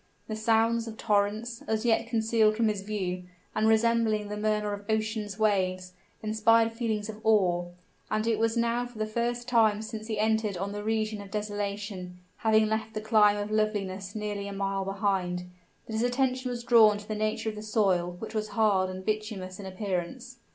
The sounds of torrents, as yet concealed from his view, and resembling the murmur of ocean's waves, inspired feelings of awe; and it was now for the first time since he entered on the region of desolation, having left the clime of loveliness nearly a mile behind, that his attention was drawn to the nature of the soil, which was hard and bituminous in appearance.